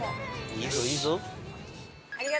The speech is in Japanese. いいぞいいぞ。